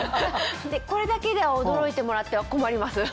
これだけで驚いてもらっては困ります。